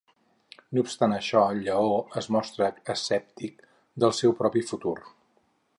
No obstant això, Lleó es mostra escèptic del seu propi futur.